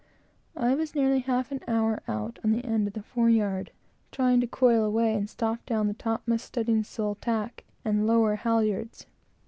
I was nearly half an hour out on the end of the fore yard, trying to coil away and stop down the topmast studding sail tack and lower halyards.